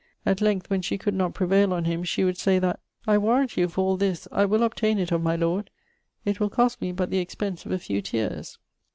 At length, when she could not prevaile on him, she would say that, 'I warrant you, for all this, I will obtaine it of my lord; it will cost me but the expence of a few teares.'